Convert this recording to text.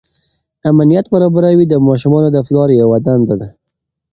امنیت برابروي د ماشومانو د پلار یوه دنده ده.